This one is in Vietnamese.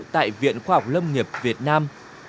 tại viện khoa học lâm nghiệp việt nam